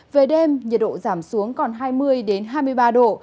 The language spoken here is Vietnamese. về đêm nhiệt độ giảm xuống còn hai mươi hai mươi ba độ